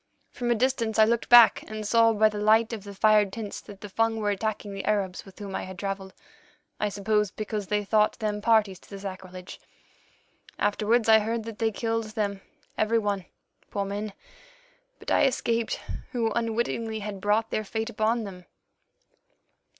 From a distance I looked back and saw by the light of the fired tents that the Fung were attacking the Arabs with whom I had travelled, I suppose because they thought them parties to the sacrilege. Afterwards I heard that they killed them every one, poor men, but I escaped, who unwittingly had brought their fate upon them.